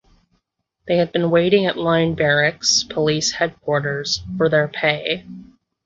They had been waiting at Line Barracks (Police Headquarters) for their pay.